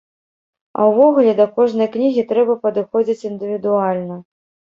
А ўвогуле, да кожнай кнігі трэба падыходзіць індывідуальна.